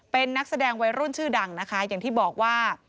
เป็นนักแสดงวัยรุ่นชื่อดังนะคะอย่างที่บอกว่า